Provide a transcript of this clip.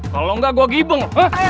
kalau ga gue gibung